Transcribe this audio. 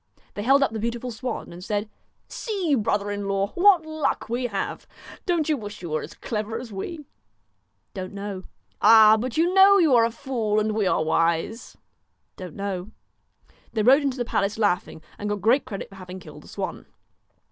They held up the beautiful swan, and said :' See, brother in law, what luck we have. Don't you wish you were as clever as we ?'' Don't know.' 'Ah! but you know you are a fool and we are wise.' 1 Don't know.* They rode into the palace laughing, and got great credit for having killed the swan.